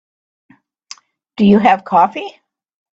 Do you have coffee?